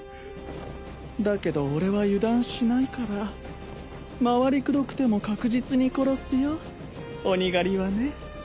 だけど俺は油断しないから回りくどくても確実に殺すよ鬼狩りはね